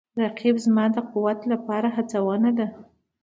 رقیب زما د قوت لپاره هڅونه ده